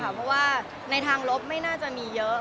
เพราะว่าในทางลบไม่น่าจะมีเยอะ